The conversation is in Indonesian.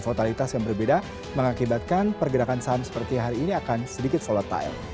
votalitas yang berbeda mengakibatkan pergerakan saham seperti hari ini akan sedikit volatile